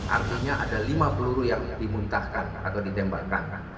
artinya ada lima peluru yang dimuntahkan atau ditembakkan